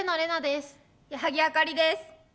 矢作あかりです。